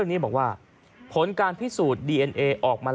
และถือเป็นเคสแรกที่ผู้หญิงและมีการทารุณกรรมสัตว์อย่างโหดเยี่ยมด้วยความชำนาญนะครับ